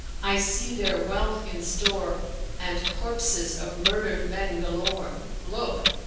I answered, " I see there wealth in store and corpses of murdered men galore. Look."